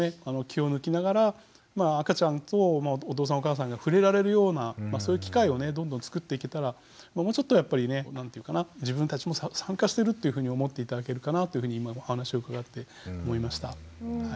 気を抜きながら赤ちゃんとお父さんお母さんが触れられるようなそういう機会をどんどんつくっていけたらもうちょっとやっぱりね自分たちも参加してるっていうふうに思って頂けるかなというふうに今のお話を伺って思いました。